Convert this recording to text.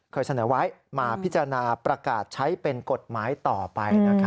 เคยเสนอไว้มาพิจารณาประกาศใช้เป็นกฎหมายต่อไป